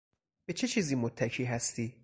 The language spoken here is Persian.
به چه چیزی متکی هستی؟